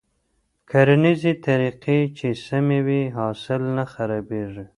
کرنيزې طريقې چې سمې وي، حاصل نه خرابېږي.